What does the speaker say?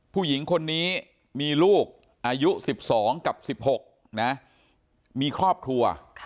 ผู้หญิงคนนี้มีลูกอายุ๑๒กับ๑๖นะมีครอบครัว